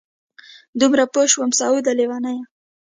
دومره پوه شومه سعوده لېونیه!